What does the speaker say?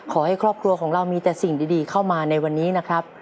ขอให้ครอบครัวของเรามีแต่สิ่งดีเข้ามาในวันนี้นะครับ